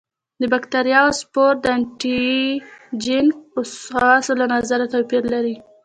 د باکتریاوو سپور د انټي جېنیک خواصو له نظره توپیر لري.